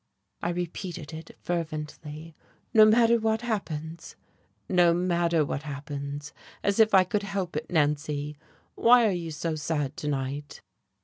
I repeated it fervently.... "No matter what happens?" "No matter what happens. As if I could help it, Nancy! Why are you so sad to night?"